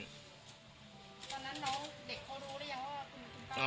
ตอนนั้นน้องเด็กเขารู้หรือยังว่าคุณป้า